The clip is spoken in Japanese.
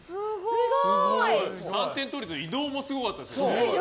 三点倒立の移動もすごかったですよね。